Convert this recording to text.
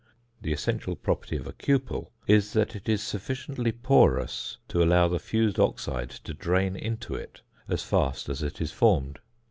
The essential property of a cupel is, that it is sufficiently porous to allow the fused oxide to drain into it as fast as it is formed.